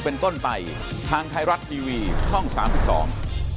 เป็นต้นไปทางไทยรัฐทีวีช่องสามสิบสอง